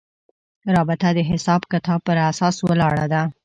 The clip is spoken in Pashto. رابطه د حساب کتاب پر اساس ولاړه وه.